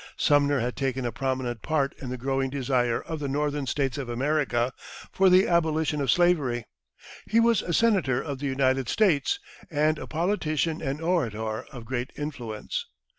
Sumner had taken a prominent part in the growing desire of the Northern States of America for the abolition of slavery. He was a Senator of the United States, and a politician and orator of great influence.